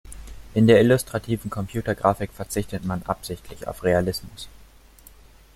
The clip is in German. In der illustrativen Computergrafik verzichtet man absichtlich auf Realismus.